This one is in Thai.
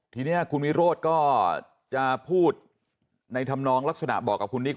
ทีนี้คุณวิโรธก็จะพูดในธรรมนองลักษณะบอกกับคุณนิก